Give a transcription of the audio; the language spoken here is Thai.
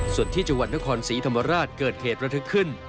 ส่วนที่จังหวัดนครศรีธรรมราชเกิดเหตุระทึกขึ้น